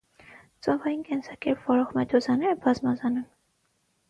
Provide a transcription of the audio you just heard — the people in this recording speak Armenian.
Ծովային կենսակերպ վարող մեդուզաները բազմազան են։